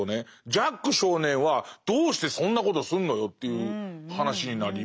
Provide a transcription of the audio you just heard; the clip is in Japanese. ジャック少年はどうしてそんなことすんのよという話になりますよね。